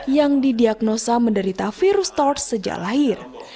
yang didiagnosa menderita virus tors sejak lahir